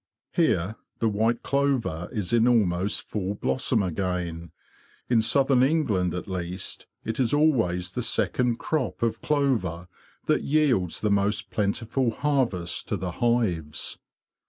Here the white clover is in almost full blossom again: in southern England at least it is always the second crop of clover that yields the most plentiful harvest to the hives.